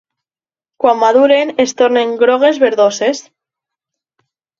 Quan maduren es tornen grogues verdoses.